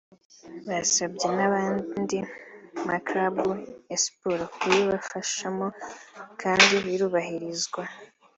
Basabye n’andi ma clubs ya siporo kubibafashamo kandi birubahirizwa